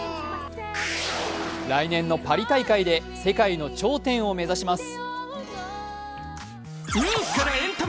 来年のパリ大会で世界の頂点を目指します。